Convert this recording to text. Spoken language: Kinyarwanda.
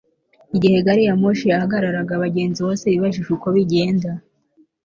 Igihe gari ya moshi yahagararaga abagenzi bose bibajije uko bigenda